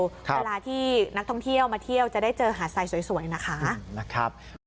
เวลาที่นักท่องเที่ยวมาเที่ยวจะได้เจอหาดไซดสวยนะคะ